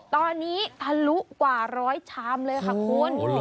ตอนนี้ทะลุกว่าร้อยชามเลยค่ะคุณ